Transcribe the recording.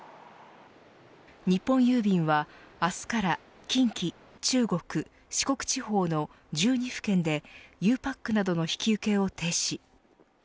日本郵便は明日から近畿、中国、四国地方の１２府県でゆうパックなどの引き受けを停止。